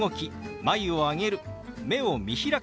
「眉を上げる」「目を見開く」